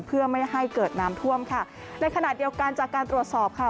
เพื่อไม่ให้เกิดน้ำท่วมค่ะในขณะเดียวกันจากการตรวจสอบค่ะ